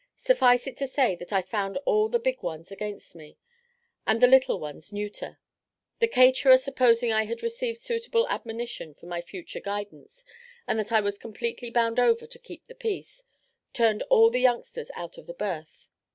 Suffice it to say that I found all the big ones against me, and the little ones neuter; the caterer supposing I had received suitable admonition for my future guidance, and that I was completely bound over to keep the peace turned all the youngsters out of the berth.